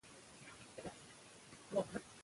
تر څو له هېريدو او ورکېدو څخه وژغوري.